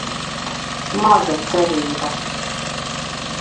Maza cerība.